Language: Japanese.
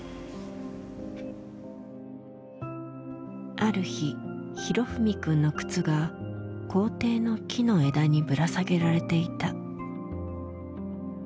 ある日裕史くんの靴が校庭の木の枝にぶら下げられていた。